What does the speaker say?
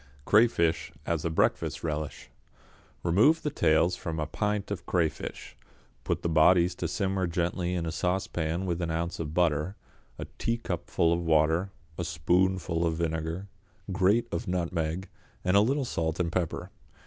=Crayfish, as a Breakfast Relish.= Remove the tails from a pint of crayfish, put the bodies to simmer gently in a saucepan with an ounce of butter, a teacupful of water, a spoonful of vinegar, grate of nutmeg, and a little salt and pepper.